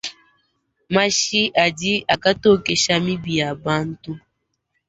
Mashi andi akantokesha mibi ya bantu.